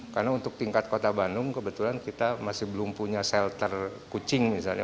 karena untuk tingkat kota bandung kebetulan kita masih belum punya shelter kucing misalnya